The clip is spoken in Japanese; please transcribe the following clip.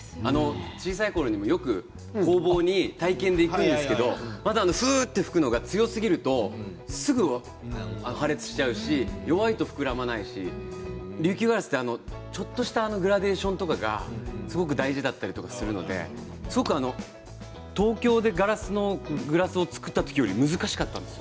小さいころにもよく工房に体験できるんですけどふうっと吹くのが強すぎるとすぐ破裂して弱いと膨らまないし琉球ガラスってちょっとしたグラデーションとかがすごく大事だったりするので東京でガラスのグラスを作った時より難しかったんです。